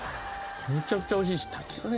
めちゃくちゃおいしいし。